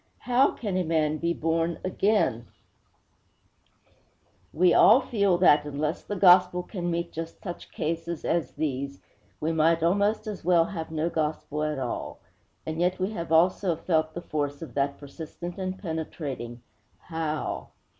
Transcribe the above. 'How can a man be born again?' We all feel that, unless the gospel can meet just such cases as these, we might almost as well have no gospel at all. And yet we have also felt the force of that persistent and penetrating _How?